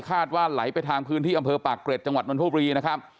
ว่าไหลไปทางพื้นที่อำเภอปากเกร็ดจังหวัดนทบุรีนะครับ